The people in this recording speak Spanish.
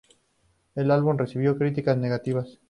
El álbum recibió críticas negativas.